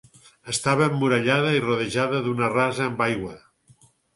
Estava emmurallada i rodejada d'una rasa amb aigua.